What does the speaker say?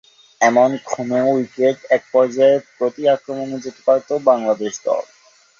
এমন ‘খুনে’ উইকেটে একপর্যায়ে প্রতি–আক্রমণে যেতে পারত বাংলাদেশ দল।